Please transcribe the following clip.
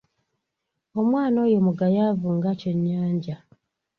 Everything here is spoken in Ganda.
Omwana oyo mugayaavu nga Ekyennyanja.